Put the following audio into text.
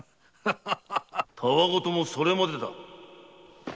・たわ言もそれまでだ。